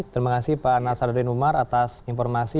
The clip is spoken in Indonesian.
terima kasih pak nasaruddin umar atas informasi